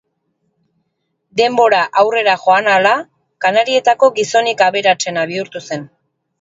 Denbora aurrera joan ahala, Kanarietako gizonik aberatsena bihurtu zen.